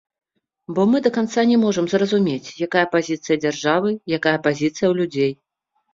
Бо мы да канца не можам зразумець, якая пазіцыя дзяржавы, якая пазіцыя ў людзей.